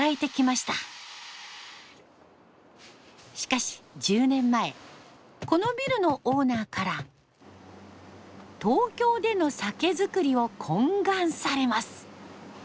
しかし１０年前このビルのオーナーから東京での酒づくりを懇願されます。